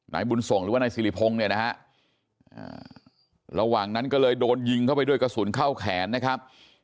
นายบุญส่งหรือว่านายสิริพงศ์เนี่ยนะฮะระหว่างนั้นก็เลยโดนยิงเข้าไปด้วยกระสุนเข้าแขนนะครับ